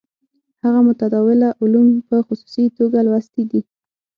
هغه متداوله علوم په خصوصي توګه لوستي دي.